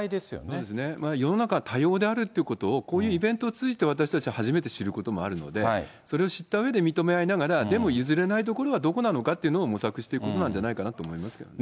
そうですね、世の中多様であるということをこういうイベントを通じて私たち初めて知ることもあるので、それを知ったうえで認め合いながら、でも譲れないところはどこなのかっていうのを模索していくことなんじゃないかなと思いますけどね。